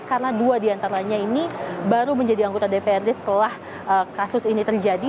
karena dua diantaranya ini baru menjadi anggota dprd setelah kasus ini terjadi